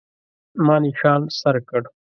ما نښان سر کړ.